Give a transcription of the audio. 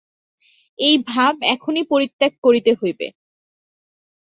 এই ভাব এখনই পরিত্যাগ করিতে হইবে।